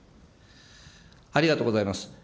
ありがとうございます。